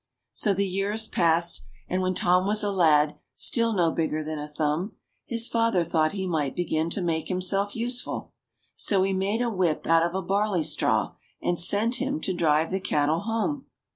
So the years passed, and when Tom was a lad, still no bigger than a thumb, his father thought he might begin to make himself useful. So he made him a whip out of a barley straw, and set him to drive the cattle home.